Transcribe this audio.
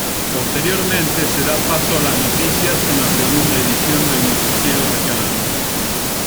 Posteriormente, se da paso a las noticias en la segunda edición del noticiero regional.